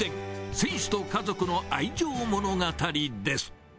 選手と家族の愛情物語です。